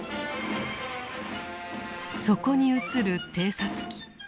そこに映る偵察機。